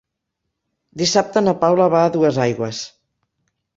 Dissabte na Paula va a Duesaigües.